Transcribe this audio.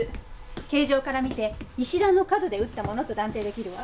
形状から見て石段の角で打ったものと断定出来るわ。